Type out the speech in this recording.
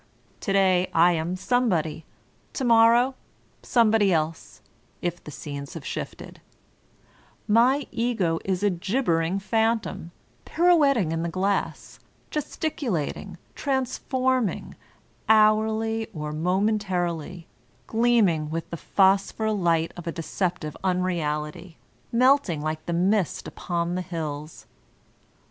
To day I am somebody, to morrow somebody else, if the scenes have shifted; my Ego is a gibbering phantom, pirouet ting in the glass, gesticulating, transforming, hourly or momentarily, gleaming with the phosphor light of a deceptive unreality, melting like the mist upon the hills.